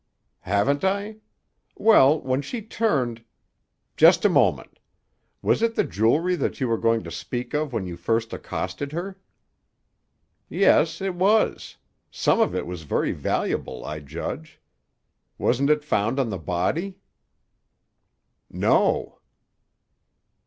"Haven't I? Well, when she turned—" "Just a moment. Was it the jewelry that you were going to speak of when you first accosted her?" "Yes, it was. Some of it was very valuable, I judge. Wasn't it found on the body?" "No."